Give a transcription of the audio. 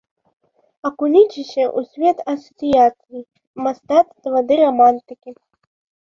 Акуніцеся ў свет асацыяцый, мастацтва ды рамантыкі!